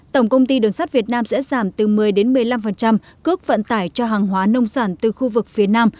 tổng công ty đường sắt việt nam sẽ giảm từ một mươi một mươi năm cước vận tải cho hàng hóa nông sản từ khu vực phía nam